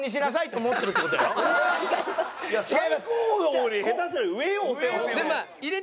最高峰より下手したら上よお手本って。